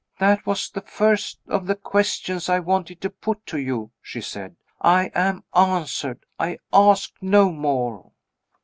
"That was the first of the questions I wanted to put to you," she said. "I am answered. I ask no more."